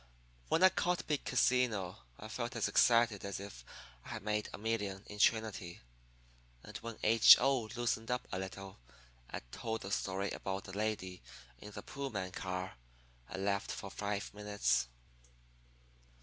When I caught big casino I felt as excited as if I had made a million in Trinity. And when H. O. loosened up a little and told the story about the lady in the Pullman car I laughed for five minutes.